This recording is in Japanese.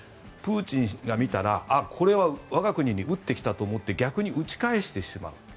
プーチンが見たらこれは我が国に撃ってきたと思って逆に撃ち返してしまう。